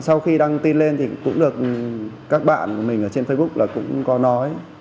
sau khi đăng tin lên thì cũng được các bạn của mình trên facebook là cũng có nói